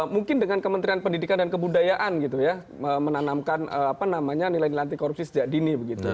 mungkin dengan kementerian pendidikan dan kebudayaan gitu ya menanamkan nilai nilai anti korupsi sejak dini begitu